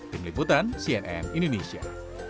tim liputan cnn indonesia